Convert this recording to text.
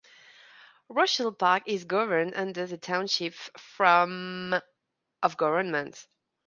Rochelle Park is governed under the Township form of government.